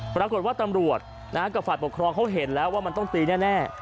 ปรากฏว่าตำรวจกับฝ่ายปกครองเขาเห็นแล้วว่ามันต้องตีแน่